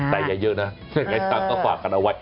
แต่อย่าเยอะนะยังไงตามก็ฝากกันเอาไว้